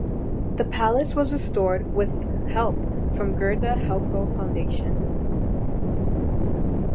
The palace was restored with help from Gerda Henkel Foundation.